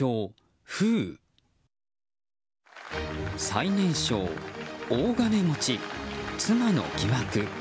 最年少、大金持ち、妻の疑惑。